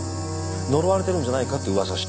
呪われてるんじゃないかって噂して。